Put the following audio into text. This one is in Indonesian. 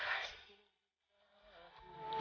harus rindukan orang lain disemamu